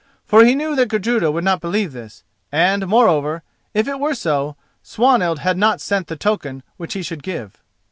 For he knew that Gudruda would not believe this, and, moreover, if it were so, Swanhild had not sent the token which he should give.